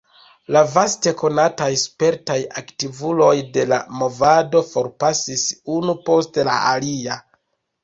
La vaste konataj, spertaj aktivuloj de la movado forpasis unu post la alia.